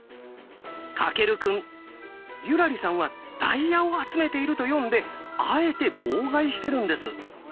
翔くん優良梨さんは「ダイヤを集めている」とよんであえて妨害してるんです。